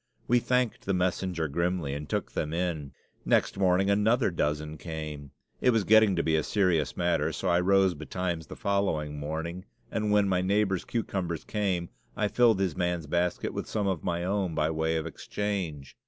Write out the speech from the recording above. We thanked the messenger grimly and took them in. Next morning another dozen came. It was getting to be a serious matter; so I rose betimes the following morning, and when my neighbor's cucumbers came I filled his man's basket with some of my own, by way of exchange.